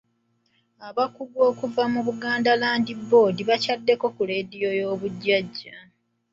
Abakugu okuva mu Buganda Land Board baakyaddeko ku leediyo y'obujajja.